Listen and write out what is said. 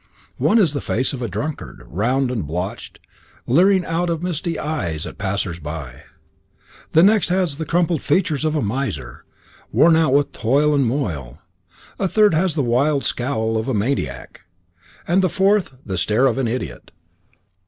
One is the face of a drunkard, round and blotched, leering out of misty eyes at the passers by; the next has the crumpled features of a miser, worn out with toil and moil; a third has the wild scowl of a maniac; and a fourth the stare of an idiot.